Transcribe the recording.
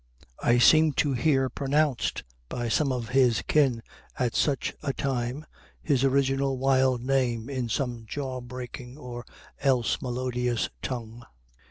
I seem to hear pronounced by some of his kin at such a time his original wild name in some jaw breaking or else melodious tongue.